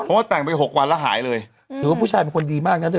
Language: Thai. เพราะว่าแต่งไป๖วันแล้วหายเลยถือว่าผู้ชายเป็นคนดีมากนะเธอ